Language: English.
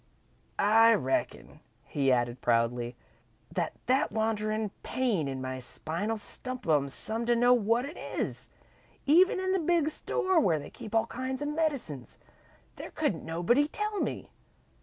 "I reckon," he added, proudly, "that that wanderin' pain in my spine'll stump 'em some to know what it is. Even in the big store where they keep all kinds of medicines, there couldn't nobody tell me.